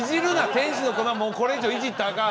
天使の粉これ以上いじったらあかん！